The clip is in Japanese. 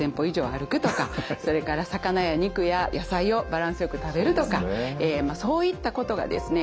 それから魚や肉や野菜をバランスよく食べるとかそういったことがですね